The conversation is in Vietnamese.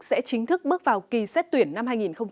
sẽ chính thức bước vào kỳ xét tuyển năm hai nghìn một mươi chín